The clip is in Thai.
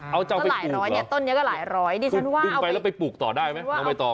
เอาจะเอาไปปลูกเหรอคุณไปแล้วไปปลูกต่อได้ไหมเอาไปต่อ